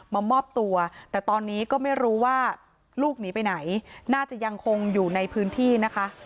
มามอบตัวแต่ตอนนี้ก็ไม่รู้ว่าลูกหนีไปไหนน่าจะยังคงอยู่ในพื้นที่นะคะ